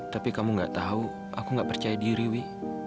tapi kamu gak tahu aku nggak percaya diri wi